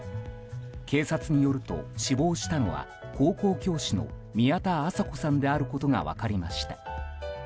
警察によると死亡したのは高校教師の宮田麻子さんであることが分かりました。